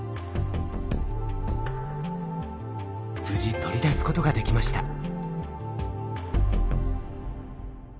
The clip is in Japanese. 無事取り出すことができました。